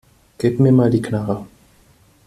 Gib mir mal die Knarre.